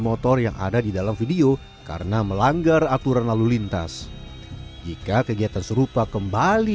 motor yang ada di dalam video karena melanggar aturan lalu lintas jika kegiatan serupa kembali